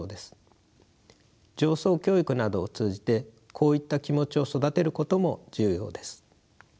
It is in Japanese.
情操教育などを通じてこういった気持ちを育てることも重要です。